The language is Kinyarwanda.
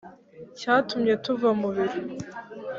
cyatumye tuva mu biro